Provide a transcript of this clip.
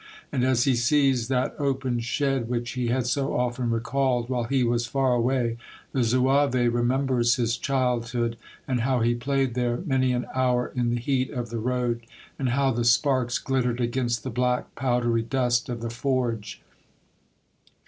And as he sees that open shed which he had so often recalled while he was far away, the Zouave remem bers his childhood, and how he played there many A Renegade Zouave, 59 an hour in the heat of the road, and how the sparks glittered against the black, powdery dust of the forge.